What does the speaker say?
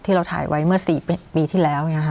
เราถ่ายไว้เมื่อ๔ปีที่แล้ว